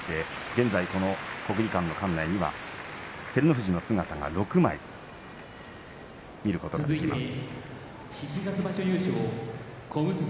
現在、国技館の館内には照ノ富士の姿が６枚見ることができます。